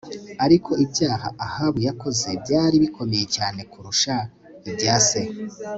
ariko ibyaha Ahabu yakoze byari bikomeye cyane kurusha ibya se